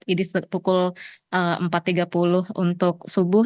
ini pukul empat tiga puluh untuk subuh